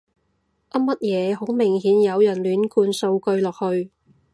噏乜嘢，好明顯有人亂灌數據落去